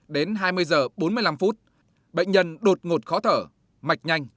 đến hai mươi giờ bốn mươi năm phút bệnh nhân đột ngột khó thở mạch nhanh